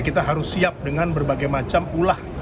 kita harus siap dengan berbagai macam ulah